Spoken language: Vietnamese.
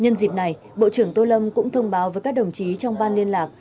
nhân dịp này bộ trưởng tô lâm cũng thông báo với các đồng chí trong ban liên lạc